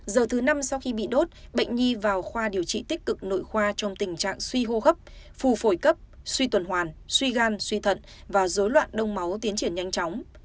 giờ thứ năm sau khi bị đốt bệnh nhi vào khoa điều trị tích cực nội khoa trong tình trạng suy hô hấp phù phổi cấp suy tuần hoàn suy gan suy thận và dối loạn đông máu tiến triển nhanh chóng